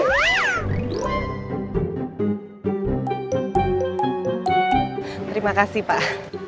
terima kasih pak